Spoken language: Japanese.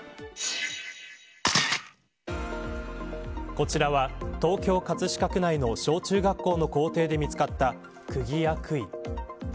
こちらは東京、葛飾区内の小中学校の校庭で見つかったくぎや杭。